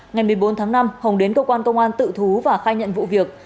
ngày một mươi bốn tháng năm hồng đến cơ quan công an tự thú và khai nhận vụ việc